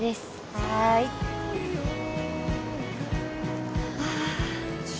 はーいああ